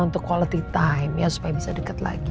untuk quality time ya supaya bisa dekat lagi